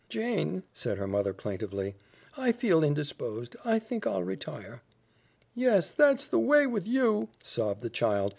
"Jane," said her mother plaintively, "I feel indisposed. I think I'll retire." "Yes, that's the way with YOU," sobbed the child.